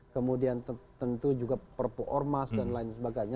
kemudian tentu juga perpu ormas dan lain sebagainya